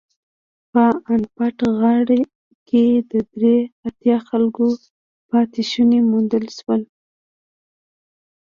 په افنټ غار کې د درې اتیا خلکو پاتې شوني موندل شول.